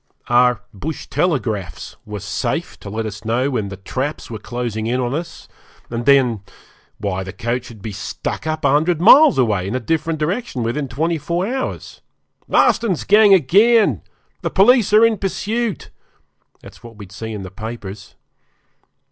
Our 'bush telegraphs' were safe to let us know when the 'traps' were closing in on us, and then why the coach would be 'stuck up' a hundred miles away, in a different direction, within twenty four hours. Marston's gang again! The police are in pursuit! That's what we'd see in the papers.